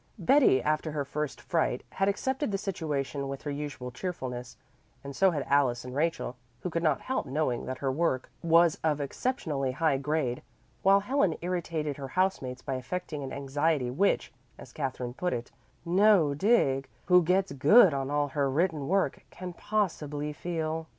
Betty, after her first fright, had accepted the situation with her usual cheerfulness, and so had Alice and Rachel, who could not help knowing that her work was of exceptionally high grade, while Helen irritated her house mates by affecting an anxiety which, as Katherine put it, "No dig, who gets 'good' on all her written work, can possibly feel."